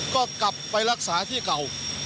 ก็กลับไปรักษาที่เก่า